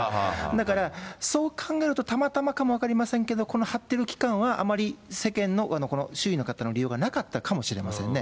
だから、そう考えると、たまたまかも分かりませんけど、この貼ってる期間はあまり世間の周囲の方の利用がなかったかもしれませんね。